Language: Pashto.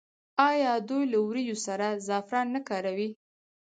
آیا دوی له وریجو سره زعفران نه کاروي؟